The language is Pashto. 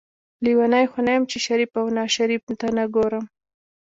لیونۍ خو نه یم چې شریف او ناشریف ته نه ګورم.